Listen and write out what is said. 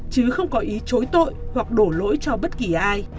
chứ không có ý chối tội hoặc đổ lỗi cho bất kỳ ai